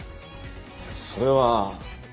それは。